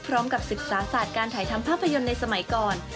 ศึกษาศาสตร์การถ่ายทำภาพยนตร์ในสมัยก่อน